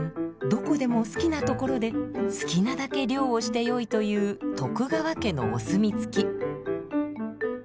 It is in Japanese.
どこでも好きな所で好きなだけ漁をしてよいという徳川家のお墨付き。